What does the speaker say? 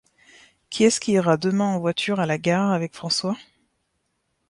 Qui est-ce qui ira demain en voiture à La Gare avec François ?